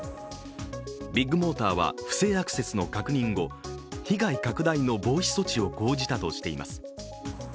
ビッグモーターは不正アクセスの確認後、被害拡大の防止措置を講じたとしています。